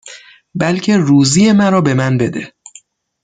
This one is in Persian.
بلکه روزی مرا به من بده